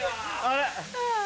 あれ？